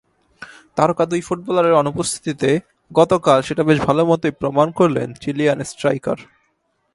তারকা দুই ফুটবলারের অনুপস্থিতিতে গতকাল সেটা বেশ ভালোমতোই প্রমাণ করলেন চিলিয়ান স্ট্রাইকার।